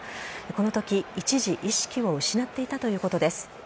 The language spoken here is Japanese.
このとき、一時意識を失っていたということです。